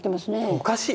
おかしい。